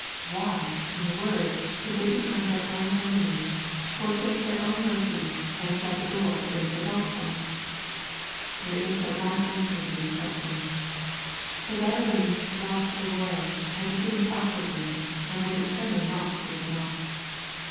Why, in a word, did they become their own enemies^ forsake their own mercies, and shut the door against the Gospel ?— There is but one answer to these ques tions. The Gadarenes loved the world, and the things of the world, and were determined not to give them up.